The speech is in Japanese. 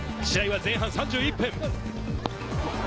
試合は前半３１分。